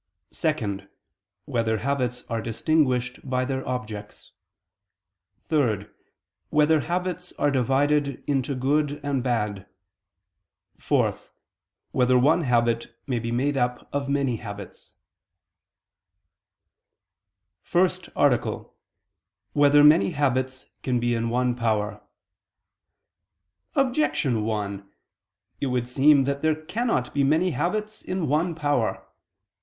(2) Whether habits are distinguished by their objects? (3) Whether habits are divided into good and bad? (4) Whether one habit may be made up of many habits? ________________________ FIRST ARTICLE [I II, Q. 54, Art. 1] Whether Many Habits Can Be in One Power? Objection 1: It would seem that there cannot be many habits in one power.